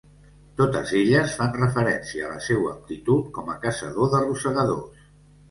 Totes elles fan referència a la seua aptitud com a caçador de rosegadors.